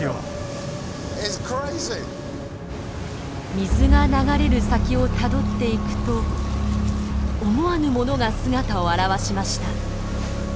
水が流れる先をたどっていくと思わぬものが姿を現しました。